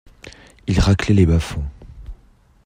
ils raclaient les bas-fonds